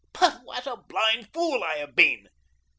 But what a blind fool I have been!